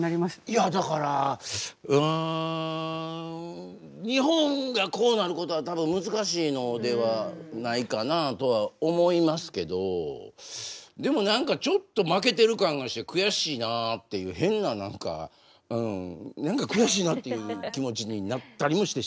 いやだからうん日本がこうなることは多分難しいのではないかなとは思いますけどでも何かちょっと負けてる感がして悔しいなっていう変な何かうん何か悔しいなっていう気持ちになったりもしてしまいましたね。